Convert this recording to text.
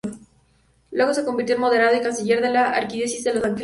Luego se convirtió en moderador y canciller de la Arquidiócesis de Los Ángeles.